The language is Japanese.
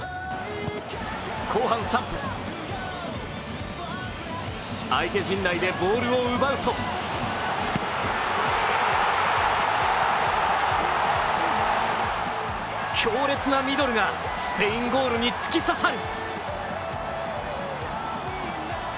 後半３分相手陣内でボールを奪うと強烈なミドルがスペインゴールに突き刺さる。